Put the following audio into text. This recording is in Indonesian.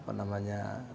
makan sudah masing masing